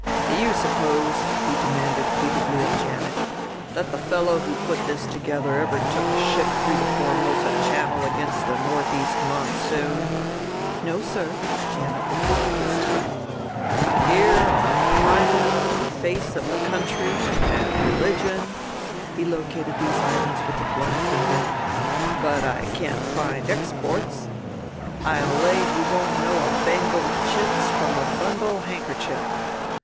Do you suppose," he demanded heatedly of Janet, "that the fellow who put this together ever took a ship through the Formosa Channel against the northeast monsoon?" "No, sir," Janet replied hastily. "Here are Climate and Face of the country and Religion," he located these items with a blunt finger, "but I can't find exports. I'll lay he won't know a Bengal chintz from a bundle handkerchief."